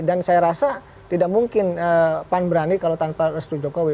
dan saya rasa tidak mungkin pan berani kalau tanpa restu jokowi